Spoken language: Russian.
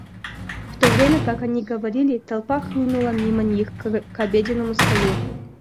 В то время как они говорили, толпа хлынула мимо них к обеденному столу.